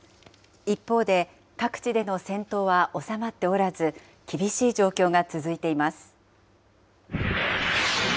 一方で、各地での戦闘は収まっておらず、厳しい状況が続いています。